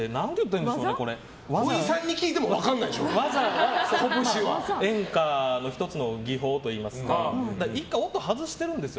ほいさんに聞いても演歌の１つの技法と言いますか１回音を外してるんですよ